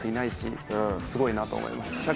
すごいなと思いました。